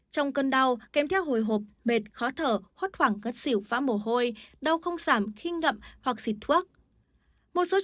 trong cơn đau kém thiết hồi hộp mệt khó thở hốt hoảng gất xỉu phá mồ hôi đau không giảm khi ngậm hoặc xịt thuốc